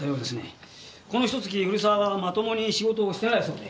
このひと月古沢はまともに仕事をしてないそうで。